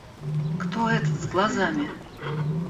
— Кто этот, с глазами?